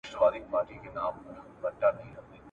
خپله کړۍ باید په ډېر دقت سره وټاکئ.